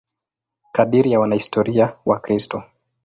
Kadiri ya wanahistoria Wakristo.